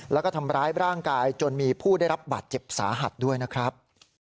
แล้วก็ทำร้ายร่างกายจนมีผู้ได้รับบาดเจ็บสาหัสด้วยนะครับ